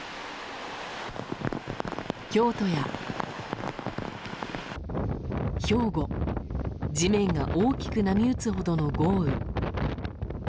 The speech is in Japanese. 京都や、兵庫地面が大きく波打つほどの豪雨。